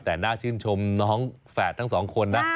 แต่น่าชื่นชมน้องแฝดทั้งสองคนนะ